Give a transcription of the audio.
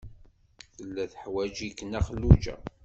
Tella teḥwaj-ik Nna Xelluǧa.